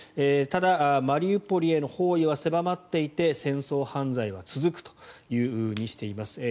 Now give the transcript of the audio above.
ただ、マリウポリへの包囲は狭まっていて戦争犯罪は続くというふうにしています。